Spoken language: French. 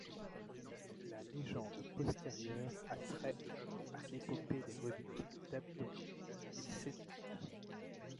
La légende postérieure a trait à l'épopée des reliques d'Abdon et Sennen.